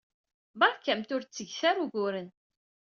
Beṛkamt ur d-ttget ara uguren.